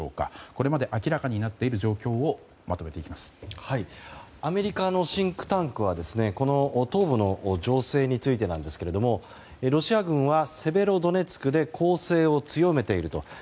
これまで明らかになっている状況をアメリカのシンクタンクはこの東部の情勢についてロシア軍はセベロドネツクで攻勢を強めていると。